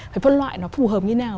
phải phân loại nó phù hợp như thế nào